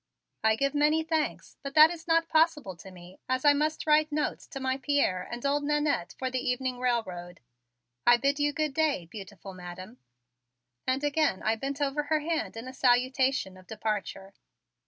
"I give many thanks, but that is not possible to me, as I must write notes to my Pierre and old Nannette for the evening railroad. I bid you good day, beautiful Madam," and again I bent over her hand in a salutation of departure.